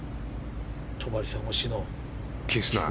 戸張さん推しの。